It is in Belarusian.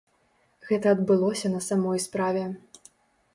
Гэта адбылося на самой справе.